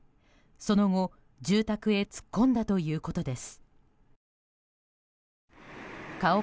その後、住宅へ突っ込んだということです。